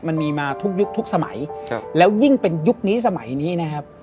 มันมีมาทุกยุคทุกสมัยครับแล้วยิ่งเป็นยุคนี้สมัยนี้นะครับ